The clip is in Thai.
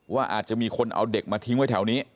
ว่าอาจจะมีคนเอาเด็กมาทิ้งไว้แถวนี้